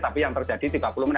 tapi yang terjadi tiga puluh menit